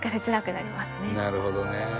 なるほどね。